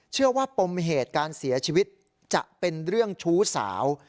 ปมเหตุการเสียชีวิตจะเป็นเรื่องชู้สาว